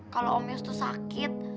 kalau om yus itu sakit